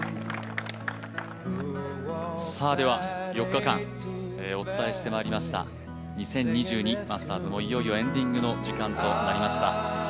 ４日間お伝えしてまいりました２０２２マスターズもいよいよエンディングの時間となりました。